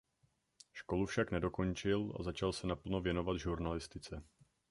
Školu však nedokončil a začal se naplno věnovat žurnalistice.